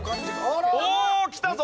おっきたぞ！